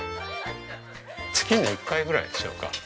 月に１回ぐらいでしょうか。